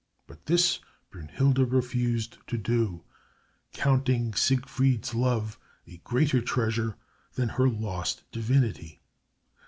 But this Brünnhilde refused to do, counting Siegfried's love a greater treasure than her lost divinity.